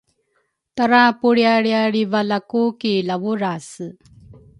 tarapulrialrialrivalaku ki Lavurase.